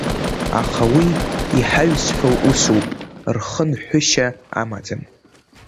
Аха уи иҳаҩсхьоу усуп, рхынҳәышьа амаӡам.